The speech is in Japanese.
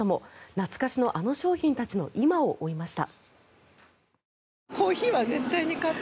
懐かしのあの商品たちの今を追いました。